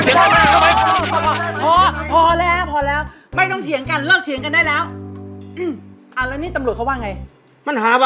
พอพอพอพอแล้วพอแล้ว